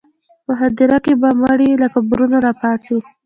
په هدیرو کې به مړي له قبرونو راپاڅي.